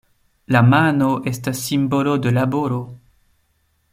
La mano estas simbolo de laboro.